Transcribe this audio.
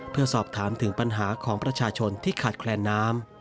เพื่อสอบถามถึงปัญหาของประชาชนที่ขาดแคลนน้ำ